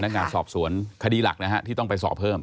นักงานสอบสวนคดีหลักนะฮะที่ต้องไปสอบเพิ่ม